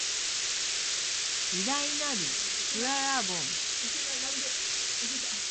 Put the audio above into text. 偉大なる、しゅららぼん